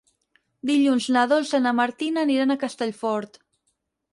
Dilluns na Dolça i na Martina aniran a Castellfort.